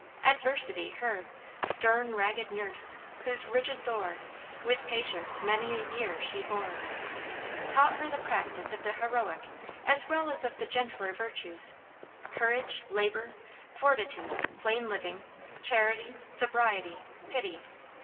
Adversity, her "Stern, ragged nurse, whose rigid lore, With patience, many a year, she bore," taught her the practice of the heroic as well as of the gentler virtues; courage, labor, fortitude, plain living, charity, sobriety, pity.